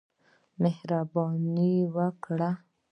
مهرباني وکړه.